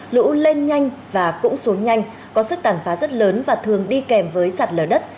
lũ lên nhanh và cũng xuống nhanh có sức tàn phá rất lớn và thường đi kèm với sạt lở đất